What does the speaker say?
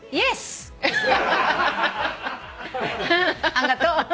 あんがとう。